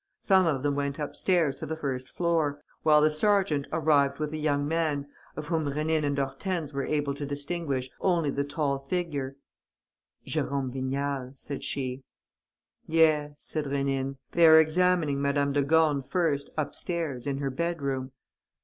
Some of them went up stairs to the first floor, while the sergeant arrived with a young man of whom Rénine and Hortense were able to distinguish only the tall figure: "Jérôme Vignal," said she. "Yes," said Rénine. "They are examining Madame de Gorne first, upstairs, in her bedroom."